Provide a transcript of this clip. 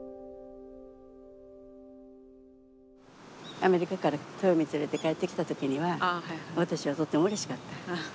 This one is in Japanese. アメリカからとよみ連れて帰ってきた時には私はとってもうれしかった。